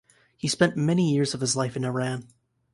He spent many years of his life in Iran.